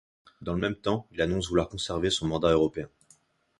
Dans le même temps, il annonce vouloir conserver son mandat européen.